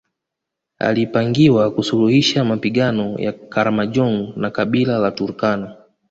Alipangiwa kusuluhisha mapigano ya Karamojong na kabila la Turkana